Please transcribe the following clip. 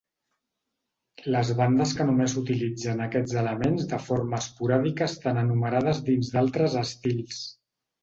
Les bandes que només utilitzen aquests elements de forma esporàdica estan enumerades dins d'altres estils.